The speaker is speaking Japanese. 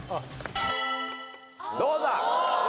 どうだ？